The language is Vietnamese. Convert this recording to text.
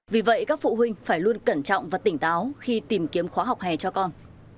vì vậy các phụ huynh phải luôn cẩn trọng và tỉnh táo khi tìm kiếm khóa học hè cho con